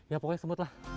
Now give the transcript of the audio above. ya pokoknya semut lah